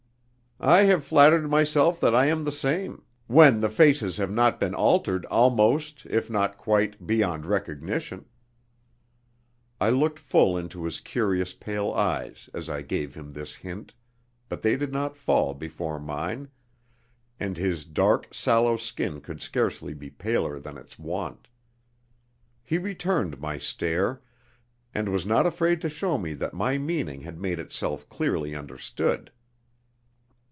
"I have flattered myself that I am the same when the faces have not been altered almost (if not quite) beyond recognition." I looked full into his curious pale eyes as I gave him this hint, but they did not fall before mine, and his dark, sallow skin could scarcely be paler than its wont. He returned my stare, and was not afraid to show me that my meaning had made itself clearly understood.